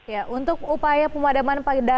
ya untuk upaya pemadaman